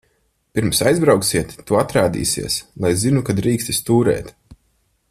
Pirms aizbrauksiet, tu atrādīsies, lai zinu, ka drīksti stūrēt.